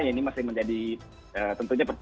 ini masih menjadi tentunya